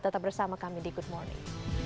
tetap bersama kami di good morning